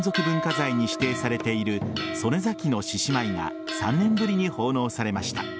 文化財に指定されている曽根崎の獅子舞が３年ぶりに奉納されました。